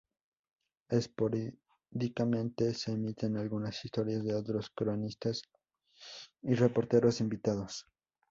Esporádicamente se emiten algunas historias de otros cronistas y reporteros invitados.